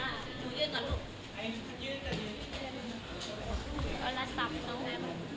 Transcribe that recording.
เราเป็นเครื่องสบายประโยชน์